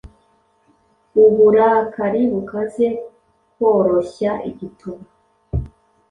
Uburakari bukaze, korohya igituba,